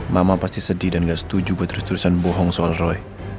mama pasti sedih dan gak setuju buat terus terusan bohong soal roy